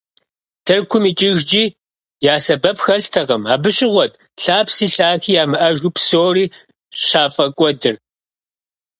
Тыркум икӀыжкӀи я сэбэп хэлътэкъым, абы щыгъуэт лъапси лъахи ямыӀэжу псори щафӀэкӀуэдыр.